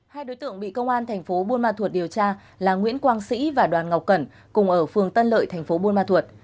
hai đối tượng bị công an tp buôn ma thuật điều tra là nguyễn quang sĩ và đoàn ngọc cẩn cùng ở phường tân lợi tp buôn ma thuật